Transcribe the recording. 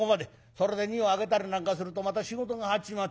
それで荷を上げたりなんかするとまた仕事が始まっちまう。